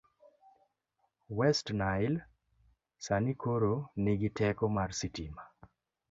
West Nile sani koro nigi teko mar sitima.